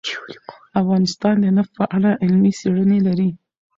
افغانستان د نفت په اړه علمي څېړنې لري.